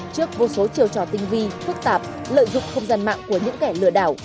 trước vô số chiều trò tinh vi phức tạp lợi dụng không gian mạng của những kẻ lừa đảo